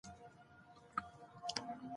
پکتیا د افغانستان د زرغونتیا نښه ده.